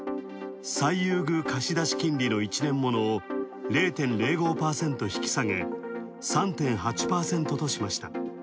最優遇貸出金利を０．０５％引き下げ、３．８％としました。